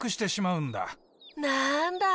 なんだ。